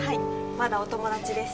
まだお友達です。